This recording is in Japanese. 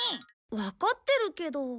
わかってるけど。